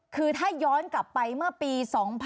คือถ้าย้อนกลับไปเมื่อปี๒๕๖๒